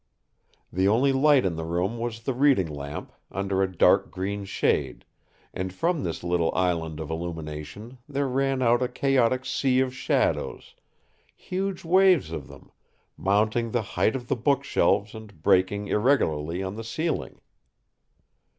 The only light in the room was the reading lamp, under a dark green shade, and from this little island of illumination there ran out a chaotic sea of shadows, huge waves of them, mounting the height of the book shelves and breaking irregularly on the ceiling.